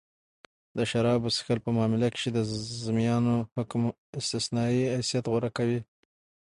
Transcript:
د شرابو څښل په معامله کښي د ذمیانو حکم استثنايي حیثت غوره کوي.